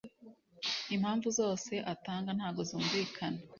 impamvu zose atanga ntago zumvikana